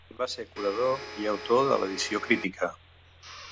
En va ser curador i autor de l’edició crítica.